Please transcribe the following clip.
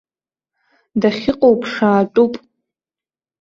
Дахьыҟоу ԥшаатәуп.